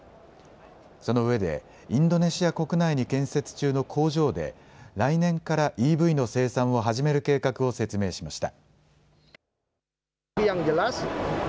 そのうえでインドネシア国内に建設中の工場で来年からＥＶの生産を始める計画を説明しました。